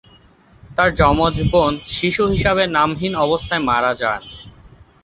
তাঁর যমজ বোন শিশু হিসাবে নামহীন অবস্থায় মারা যান।